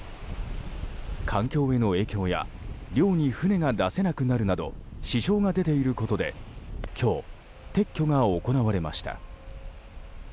環境への影響や漁に船が出せなくなるなど支障が出ていることで今日、撤去が行われました。